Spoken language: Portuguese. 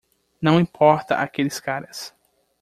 Não importa aqueles caras.